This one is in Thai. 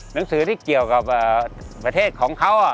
หนังสือที่เกี่ยวกับประเทศของเขา